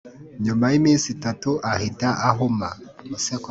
nyuma y’iminsi itatu ahita ahuma